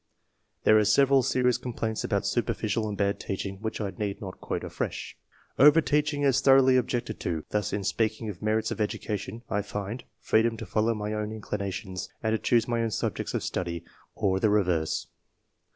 There are several serious complaints about superficial and bad teaching which I need not quote afresh. Overteaching is thoroughly objected to; thus, in speaking of merits of education, I find: —" Freedom to follow my own inclinations, and to choose my own subjects of study, or the reverse."